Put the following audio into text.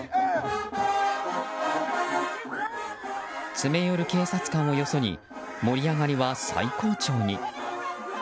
詰め寄る警察官をよそに盛り上がりは最高潮に。